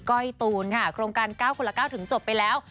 ้อยตูนค่ะโครงการ๙คนละ๙ถึงจบไปแล้ว